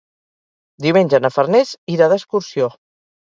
Diumenge na Farners irà d'excursió.